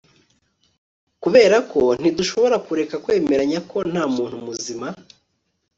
kuberako ntidushobora kureka kwemeranya ko ntamuntu muzima